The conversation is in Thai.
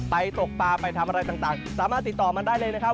ตกปลาไปทำอะไรต่างสามารถติดต่อมันได้เลยนะครับ